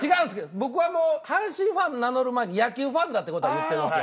僕は阪神ファン名乗る前に野球ファンだって事は言ってるんですよ。